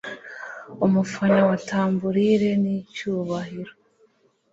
umufana wa tambourine nicyubahiro